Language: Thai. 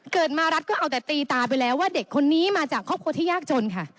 เกิดมารัฐก็เอาแต่ตีตาไปแล้วว่าเด็กคนนี้มาจากครอบครัวที่ยากจนค่ะ